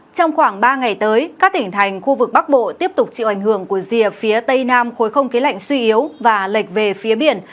trong khoảng ba ngày tới các tỉnh thành khu vực bắc bộ tiếp tục chịu ảnh hưởng của rìa phía tây nam khối không khí lạnh suy yếu và lệch về phía biển